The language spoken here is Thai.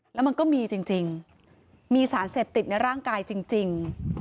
แล้วมันก็มีจริงมีสารเสพติดในร่างกายจริง